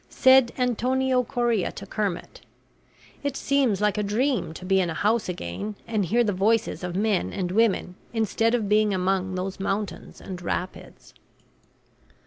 Said Antonio Correa to Kermit: "It seems like a dream to be in a house again, and hear the voices of men and women, instead of being among those mountains and rapids."